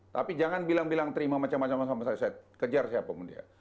tapi jangan bilang bilang terima macam macam macam saya kejar siapa pun dia